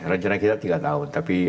rencana kita tiga tahun tapi